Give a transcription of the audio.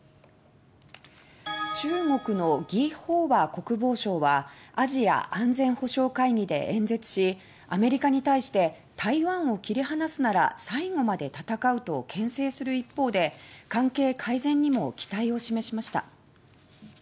中国のギ・ホウワ国防相はアジア安全保障会議で演説しアメリカに対して「台湾を切り離すなら最後まで戦う」とけん制する一方で関係改善にも期待を示しました。